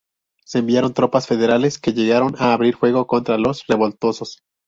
Se enviaron tropas federales, que llegaron a abrir fuego contra los revoltosos.